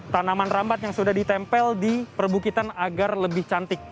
tanaman rambat yang sudah ditempel di perbukitan agar lebih cantik